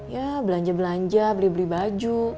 ya belanja belanja beli beli baju